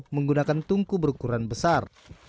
menggunakan tungku berukuran besar